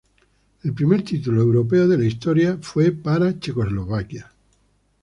El primer título europeo de la historia fue por Checoslovaquia.